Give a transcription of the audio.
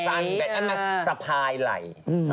มันสะพายไหล่